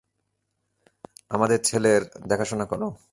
আমাদের ছেলের দেখাশোনা করো,।